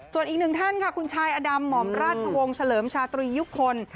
ส่วนอีกหนึ่งท่านค่ะคุณชายอดำหม่อมราชวงศ์เฉลิมชาตรียุคคล